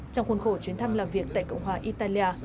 trong khuôn khổ chuyến thăm làm việc tại cộng hòa italia